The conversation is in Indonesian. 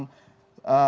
jumlah kubik feet